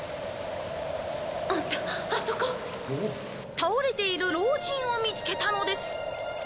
倒れている老人を見つけたのです。